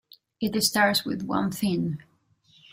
It starts with one thing.